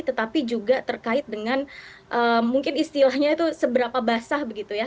tetapi juga terkait dengan mungkin istilahnya itu seberapa basah begitu ya